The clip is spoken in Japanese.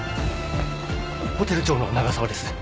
ホテル長の長澤です。